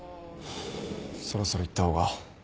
そろそろ行った方が。